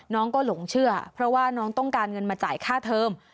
น้องก็หลงเชื่อเพราะว่าน้องต้องการเงินมาจ่ายค่าเทอม